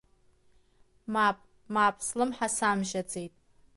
Мап, мап слымҳа самжьаӡеит.